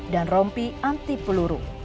dan rompi anti peluru